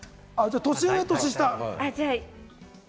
年上？年下？